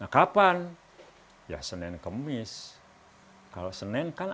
kapan ya senin kemis kalau senin kan